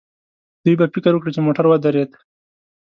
دوی به فکر وکړي چې موټر ودرېد.